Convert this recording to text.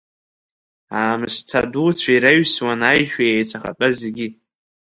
Аамсҭа дуцәа ираҩсуан аишәа еицахатәаз зегьы.